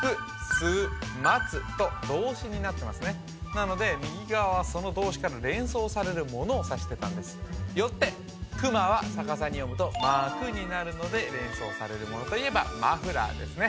「すう」「まつ」と動詞になってますねなので右側はその動詞から連想されるものを指してたんですよって「くま」は逆さに読むと「まく」になるので連想されるものといえばマフラーですね